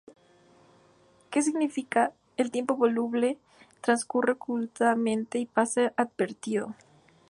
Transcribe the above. Que significa: "El tiempo voluble transcurre ocultamente y pasa inadvertido".